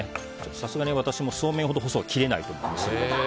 さすがに私もそうめんほど細く切れないと思います。